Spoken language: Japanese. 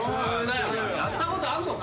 やったことあんのか？